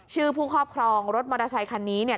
ผู้ครอบครองรถมอเตอร์ไซคันนี้เนี่ย